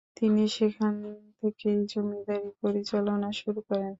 তিনি সেখান থেকেই জমিদারি পরিচালনা শুরু করেন।